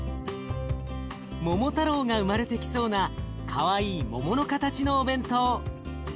桃太郎が生まれてきそうなかわいい桃の形のお弁当。